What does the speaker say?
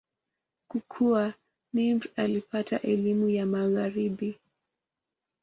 Kukua, Nimr alipata elimu ya Magharibi.